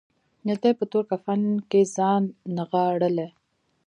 نجلۍ په تور کفن کې ځان نغاړلی